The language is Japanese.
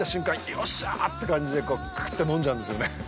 よっしゃーって感じでクーっと飲んじゃうんですよね。